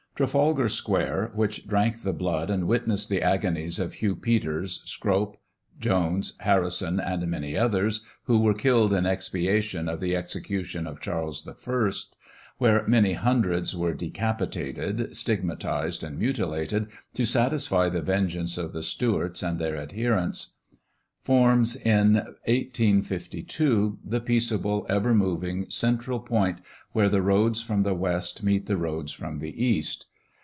Trafalgar Square, which drank the blood and witnessed the agonies of Hugh Peters, Scrope, Jones, Harrison, and many others, who were killed in expiation of the execution of Charles I. where many hundreds were decapitated, stigmatised, and mutilated, to satisfy the vengeance of the Stuarts and their adherents forms, in 1852, the peaceable, ever moving, central point, where the roads from the West meet the roads from the East.